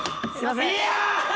いや！